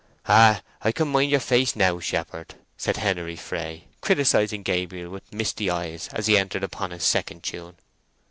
"Ay, I can mind yer face now, shepherd," said Henery Fray, criticising Gabriel with misty eyes as he entered upon his second tune.